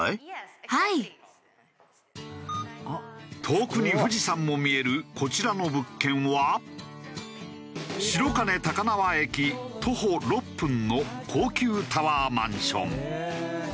遠くに富士山も見えるこちらの物件は白金高輪駅徒歩６分の高級タワーマンション。